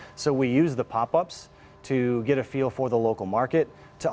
jadi kita menggunakan pop up untuk memiliki perasaan untuk pasar lokal